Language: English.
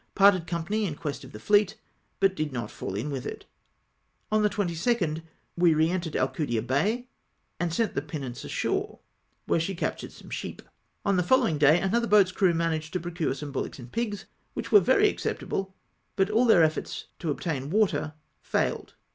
Parted company in quest of the fleet, but did not fall in with it. On the 22nd we re entered Alcudia Bay, and sent the DESTRUCTION OF JACE.AIAL. 247 pinnace ashore, when she captured some sheep. On the following day another boat's crew managed to procure some bullocks and pigs, which were very accept able, but all theii" efforts to obtain water failed.